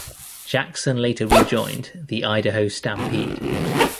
Jackson later rejoined the Idaho Stampede.